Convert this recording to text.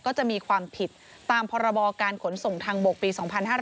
ก็จะมีความผิดตามพรบการขนส่งทางบกปี๒๕๕๙